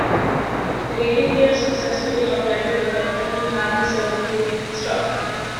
Rademeyer successfully applied to the government to have the servitude struck.